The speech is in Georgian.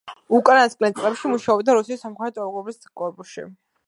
უკანასკნელ წლებში მუშაობდა რუსეთის სამხედრო ტოპოგრაფების კორპუსში.